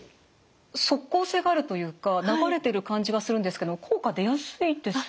即効性があるというか流れている感じがするんですけど効果出やすいですよね。